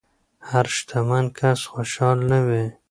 هر شتمن کس خوشحال نه وي.